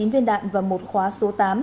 và số tám